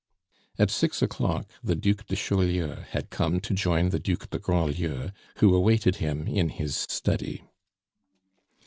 At six o'clock the Duc de Chaulieu had come to join the Duc de Grandlieu, who awaited him in his study.